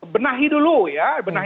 benahi dulu ya